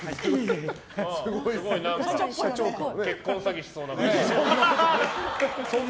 すごい結婚詐欺しそうな。